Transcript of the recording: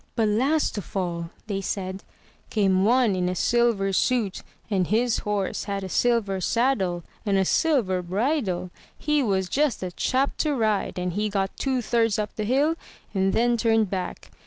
*'But, last of all,*' they said, came one in a silver suit, and his horse had a silver saddle and a silver bridle. He was just a chap to ride; and he got two thirds up the hill, and then turned back.